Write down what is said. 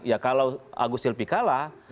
ya kalau agus silpi kalah